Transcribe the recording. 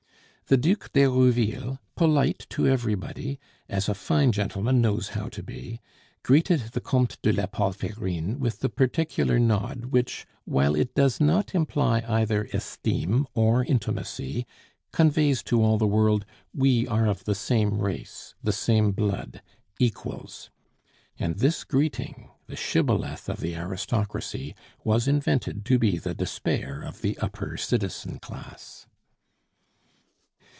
The Duc d'Herouville, polite to everybody, as a fine gentleman knows how to be, greeted the Comte de la Palferine with the particular nod which, while it does not imply either esteem or intimacy, conveys to all the world, "We are of the same race, the same blood equals!" And this greeting, the shibboleth of the aristocracy, was invented to be the despair of the upper citizen class.